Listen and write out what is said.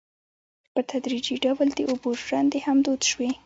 په تدریجي ډول د اوبو ژرندې هم دود شوې.